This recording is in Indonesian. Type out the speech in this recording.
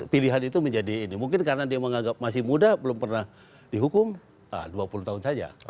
pilihan itu menjadi ini mungkin karena dia menganggap masih muda belum pernah dihukum dua puluh tahun saja